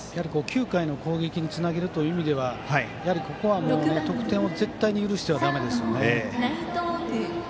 ９回の攻撃につなげるという意味ではここは得点を絶対に許してはだめですよね。